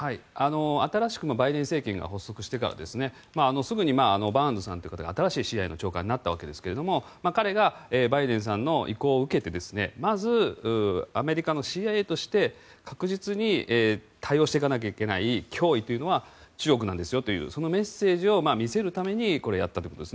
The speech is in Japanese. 新しくバイデン政権が発足してからすぐにバーンズさんという方が新しいＣＩＡ長官になったわけですが彼がバイデンさんの意向を受けてまずアメリカのＣＩＡとして確実に対応していかなきゃいけない脅威というのは中国なんですよというそのメッセージを見せるためにこれはやったということです。